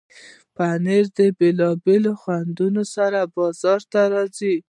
پنېر د بیلابیلو خوندونو سره بازار ته راځي.